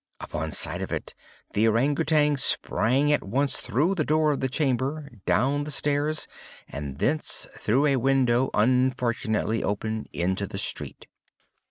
Upon sight of it, the Ourang Outang sprang at once through the door of the chamber, down the stairs, and thence, through a window, unfortunately open, into the street.